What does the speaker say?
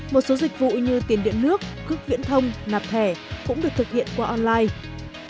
một số dịch vụ như tiền điện nước cước viễn thông nạp thẻ cũng được thực hiện qua online